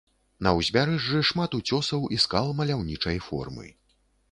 На ўзбярэжжы шмат уцёсаў і скал маляўнічай формы.